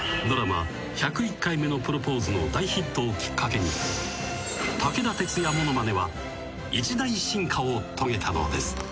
［ドラマ『１０１回目のプロポーズ』の大ヒットをきっかけに武田鉄矢ものまねは一大進化を遂げたのです］